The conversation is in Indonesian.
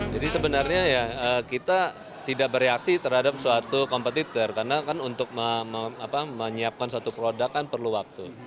jadi sebenarnya ya kita tidak bereaksi terhadap suatu kompetitor karena kan untuk menyiapkan satu produk kan perlu waktu